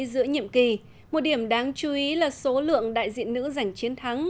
giữa nhiệm kỳ một điểm đáng chú ý là số lượng đại diện nữ giành chiến thắng